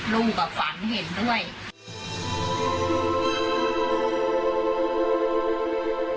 ลูกก็ฝันเห็นด้วย